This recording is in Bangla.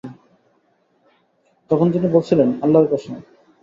তখন তিনি বলছিলেন, আল্লাহর কসম!